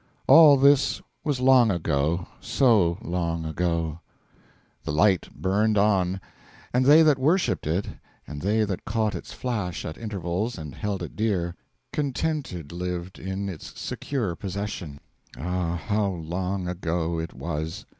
All this was long ago so long ago! The light burned on; and they that worshipped it, And they that caught its flash at intervals and held it dear, Contented lived in its secure possession. Ah, How long ago it was!